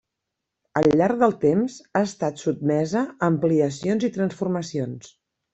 Al llarg del temps ha estat sotmesa a ampliacions i transformacions.